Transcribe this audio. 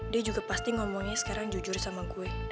dia juga pasti ngomongnya sekarang jujur sama gue